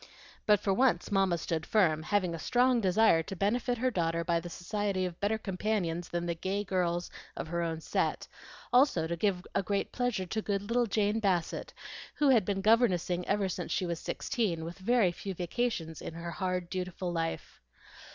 But for once Mamma stood firm, having a strong desire to benefit her daughter by the society of better companions than the gay girls of her own set, also to give a great pleasure to good little Jane Bassett, who had been governessing ever since she was sixteen, with very few vacations in her hard, dutiful life.